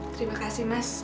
terima kasih mas